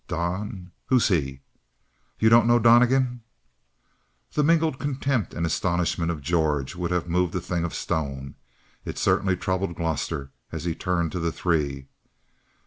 "Don who's he?" "You don't know Donnegan?" The mingled contempt and astonishment of George would have moved a thing of stone. It certainly troubled Gloster. And he turned to the three.